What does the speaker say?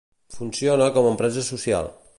Funciona com a empresa social.